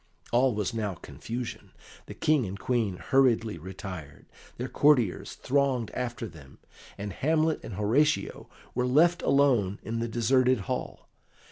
All was now confusion; the King and Queen hurriedly retired; their courtiers thronged after them, and Hamlet and Horatio were left alone in the deserted hall.